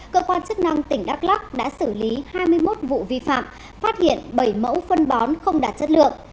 cơ quan chức năng tỉnh đắk lắc đã xử lý hai mươi một vụ vi phạm phát hiện bảy mẫu phân bón không đạt chất lượng